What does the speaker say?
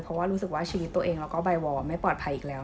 เพราะว่ารู้สึกว่าชีวิตตัวเองแล้วก็ใบวอร์ไม่ปลอดภัยอีกแล้ว